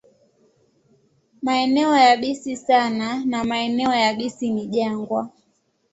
Maeneo yabisi sana na maeneo yabisi ni jangwa.